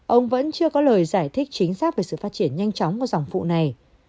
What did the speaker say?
ông vẫn chưa có lời giải thích chính xác về sự phát triển nhanh chóng của dòng phụ này